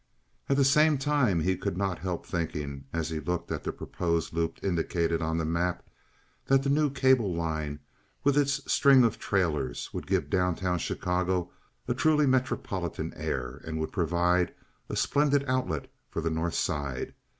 At the same time he could not help thinking, as he looked at the proposed loop indicated on the map, that the new cable line, with its string of trailers, would give down town Chicago a truly metropolitan air and would provide a splendid outlet for the North Side.